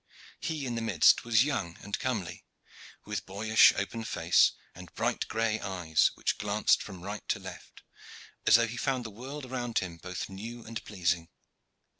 He in the midst was young and comely, with boyish open face and bright gray eyes, which glanced from right to left as though he found the world around him both new and pleasing.